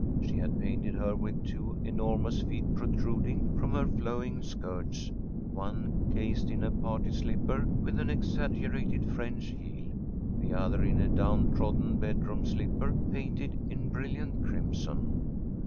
She had painted her with two enormous feet protruding from her flowing skirts, one cased in a party slipper with an exaggerated French heel, the other in a down trodden bedroom slipper painted a brilliant crimson.